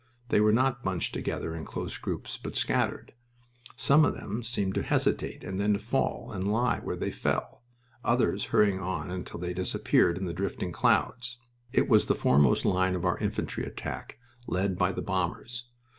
They were not bunched together in close groups, but scattered. Some of them seemed to hesitate, and then to fall and lie where they fell, others hurrying on until they disappeared in the drifting clouds. It was the foremost line of our infantry attack, led by the bombers.